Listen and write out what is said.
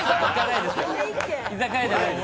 居酒屋じゃないです。